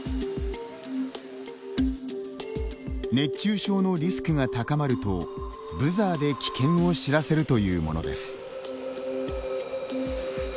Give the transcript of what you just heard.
熱中症のリスクが高まるとブザーで危険を知らせるというものです。